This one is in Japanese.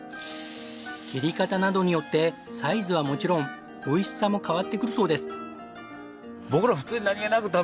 切り方などによってサイズはもちろんおいしさも変わってくるそうです。